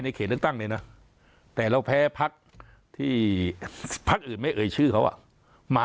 เขตเลือกตั้งเลยนะแต่เราแพ้พักที่พักอื่นไม่เอ่ยชื่อเขามา